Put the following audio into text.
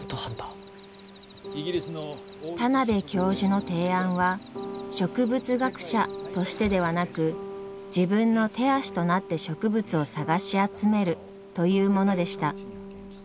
田邊教授の提案は植物学者としてではなく自分の手足となって植物を探し集めるというものでした。